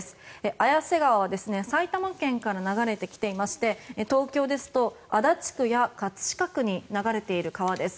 綾瀬川は、埼玉県から流れてきていまして東京ですと足立区や葛飾区に流れている川です。